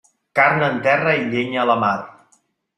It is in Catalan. Carn en terra i llenya a la mar.